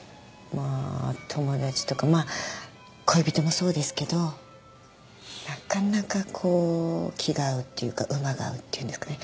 まあ友達とかまあ恋人もそうですけどなかなかこう気が合うっていうか馬が合うっていうんですかね。